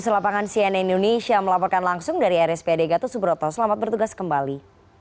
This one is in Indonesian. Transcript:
selama empat belas hari lalu untuk datang ke rspad ini